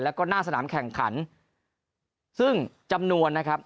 แล้วก็หน้าสนามแข่งขันซึ่งจำนวนนะครับ